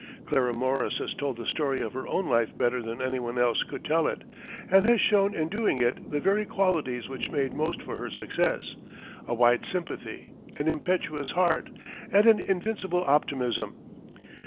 Clara Morris has told the story of her own life better than anyone else could tell it, and has shown in doing it the very qualities which made most for her success a wide sympathy, an impetuous heart, and an invincible optimism.